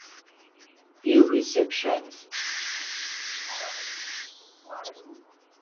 He has help from son Ryan Guy.